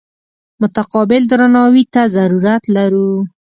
متقابل درناوي ته ضرورت لرو.